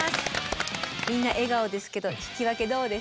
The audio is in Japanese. みんな笑顔ですけど引き分けどうですか？